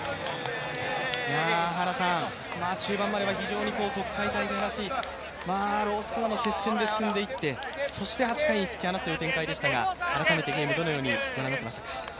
原さん、中盤までは国際大会らしいロースコアの接戦で進んでいってそして８回に突き放すという展開でしたが、改めてどのようにご覧になりましたか？